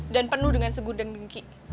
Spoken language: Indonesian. dan penuh dengan segudang dengki